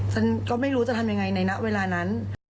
ฉันก็ไม่รู้จะทำยังไงในเวลานั้น